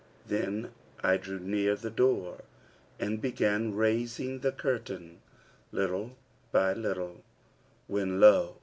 Then I drew near the door, and began raising the curtain little by little, when lo!